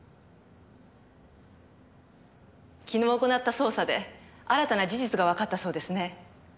昨日行った捜査で新たな事実がわかったそうですね。